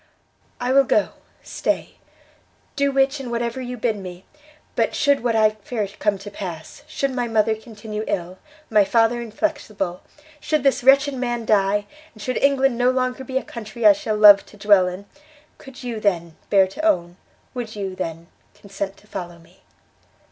"I will go, stay, do which and whatever you bid me: but, should what I fear come to pass, should my mother continue ill, my father inflexible, should this wretched man die, and should England no longer be a country I shall love to dwell in, could you, then, bear to own, would you, then, consent to follow me?"